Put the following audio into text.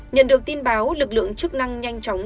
nhận được tin báo lực lượng chức năng nhanh chóng